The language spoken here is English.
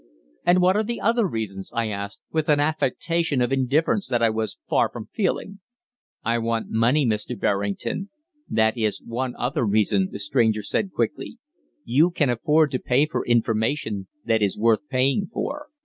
"And what are the other reasons?" I asked, with an affectation of indifference that I was far from feeling. "I want money, Mr. Berrington, that is one other reason," the stranger said quickly. "You can afford to pay for information that is worth paying for.